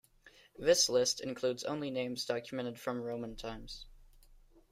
This list includes only names documented from Roman times.